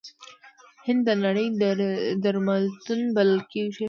هند د نړۍ درملتون بلل کیږي.